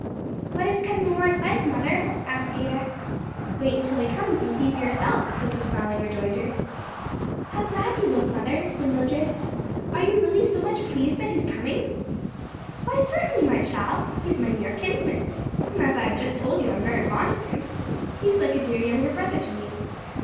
"What is Cousin Horace like, mother?" asked Ada. "Wait until he comes and see for yourself," was the smiling rejoinder. "How glad you look, mother!" said Mildred, "are you really so much pleased that he is coming?" "Why, certainly, my child! he is my near kinsman, and, as I have just told you, I am very fond of him; he's like a dear younger brother to me.